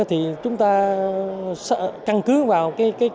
thì chúng ta căn cứ vào